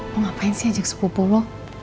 lo ngapain sih ajak sepupu lo